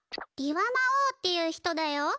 リワマオーっていう人だよ。